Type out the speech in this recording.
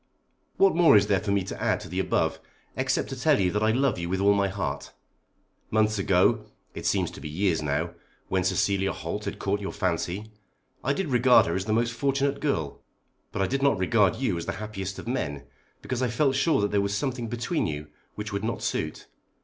What more is there for me to add to the above except to tell you that I love you with all my heart. Months ago, it seems to be years now, when Cecilia Holt had caught your fancy, I did regard her as the most fortunate girl. But I did not regard you as the happiest of men, because I felt sure that there was a something between you which would not suit.